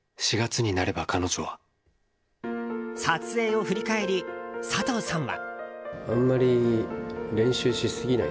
撮影を振り返り佐藤さんは。